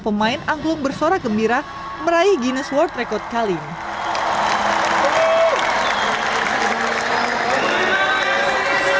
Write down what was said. pemain angklung yang berharga adalah angklung ensemble